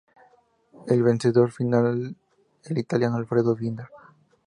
El vencedor final el italiano Alfredo Binda.